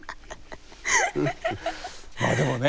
まあでもね